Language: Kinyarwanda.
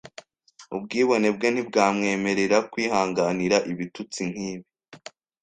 Ubwibone bwe ntibwamwemerera kwihanganira ibitutsi nkibi .